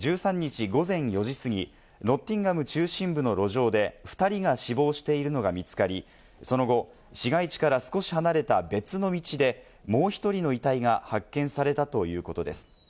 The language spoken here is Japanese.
地元警察によりますと、１３日午前４時過ぎ、ノッティンガム中心部の路上で２人が死亡しているのが見つかり、その後、市街地から少し離れた別の道でもう１人の遺体が発見されたということです。